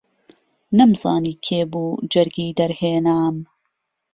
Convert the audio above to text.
نهمزانی کێ بوو جهرگی دهرهێنام